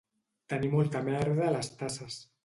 Tenir molta merda a les tasses.